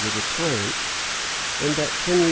was a tyrant, and that Henry IV.